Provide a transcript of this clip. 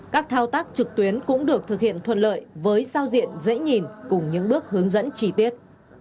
các thao tác trực tuyến cũng được thực hiện thuận lợi với sao diện dễ nhìn cùng những bước hướng dẫn chi tiết